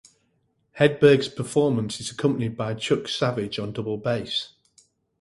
Hedberg's performance is accompanied by Chuck Savage on double bass.